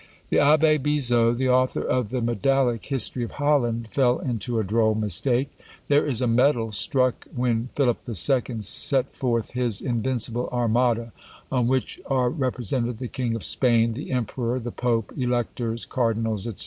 The Abbé Bizot, the author of the medallic history of Holland, fell into a droll mistake. There is a medal, struck when Philip II. set forth his invincible Armada, on which are represented the King of Spain, the Emperor, the Pope, Electors, Cardinals, &c.